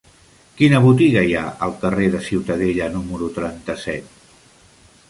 Quina botiga hi ha al carrer de Ciutadella número trenta-set?